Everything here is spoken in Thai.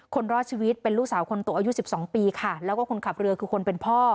คนรอดชีวิตเป็นลูกสาวคนโตอายุสิบสองปีค่ะแล้วก็คนขับเรือคือคนเป็นพ่อ